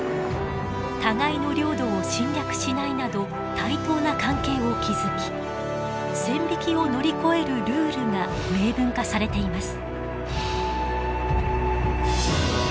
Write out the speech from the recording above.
「互いの領土を侵略しない」など対等な関係を築き線引きを乗り越えるルールが明文化されています。